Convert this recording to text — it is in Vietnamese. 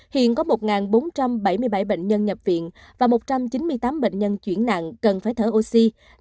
hiện có một bốn trăm bảy mươi bảy bệnh nhân nhập viện và một trăm chín mươi tám bệnh nhân chuyển nặng cần phải thở oxy